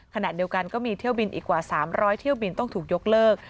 ขณะเดียวกันก็มีเที่ยวบินอีกกว่า๓๐๐เที่ยวบินต้องถูกยกเลิก